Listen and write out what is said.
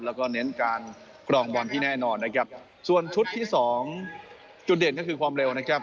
แล้วก็เน้นการกรองบอลที่แน่นอนนะครับส่วนชุดที่สองจุดเด่นก็คือความเร็วนะครับ